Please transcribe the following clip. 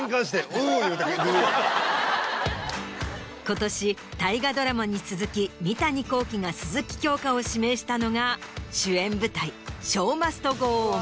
今年大河ドラマに続き三谷幸喜が鈴木京香を指名したのが主演舞台。